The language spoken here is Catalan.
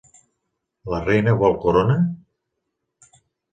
La Reina vol corona?